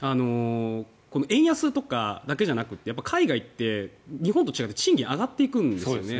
円安とかだけじゃなくて海外って日本と違って賃金が上がっていくんですね。